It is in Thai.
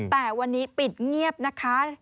แต่วันนี้ปิดเงียบนะคะ